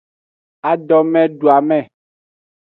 Adomeduame.